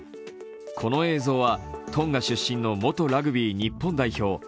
この映像はトンガ出身の元ラグビー日本代表